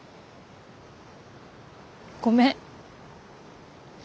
ごめん。